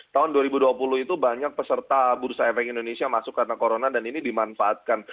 tahun dua ribu dua puluh itu banyak peserta bursa efek indonesia masuk karena corona dan ini dimanfaatkan